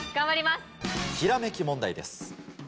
ひらめき問題です。